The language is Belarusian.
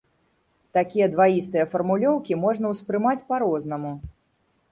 Такія дваістыя фармулёўкі можна ўспрымаць па-рознаму.